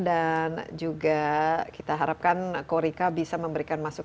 dan juga kita harapkan ko rika bisa memberikan masukan